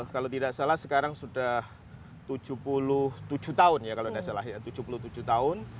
kalau tidak salah sekarang sudah tujuh puluh tujuh tahun ya kalau tidak salah ya tujuh puluh tujuh tahun